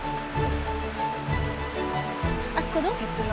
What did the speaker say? あっこの？